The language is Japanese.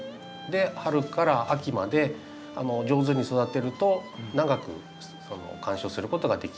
春から秋まで上手に育てると長く観賞することができるというですね